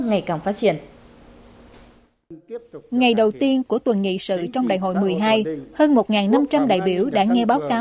ngày càng phát triển